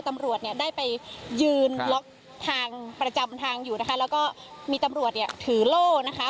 ตำรวจแบบไปยืนหลอกทางประจำทางอยู่ก็มีตำรวจเนี่ยถือโล่ค่ะ